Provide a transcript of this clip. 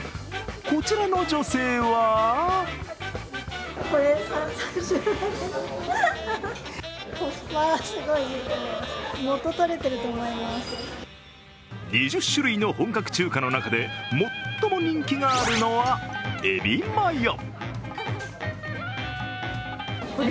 こちらの女性は２０種類の本格中華の中で最も人気があるのは、エビマヨ。